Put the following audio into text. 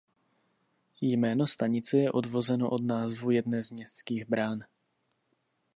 Jméno stanice je odvozeno od názvu jedné z městských bran.